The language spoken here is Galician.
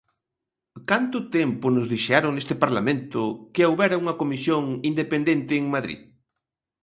¿Canto tempo nos dixeron neste Parlamento que houbera unha comisión independente en Madrid?